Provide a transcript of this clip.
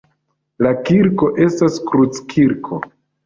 La kirko estas kruckirko.